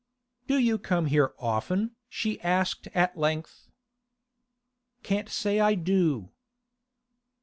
'Do you come here often?' she asked at length. 'Can't say I do.